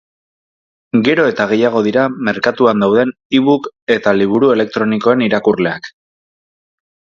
Gero eta gehiago dira merkatuan dauden ebook eta liburu elektronikoen irakurleak.